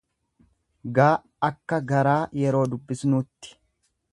g akka gaara yeroo dubbisnuutti.